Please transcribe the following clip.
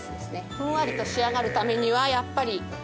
ふんわりと仕上がるためにはやっぱり。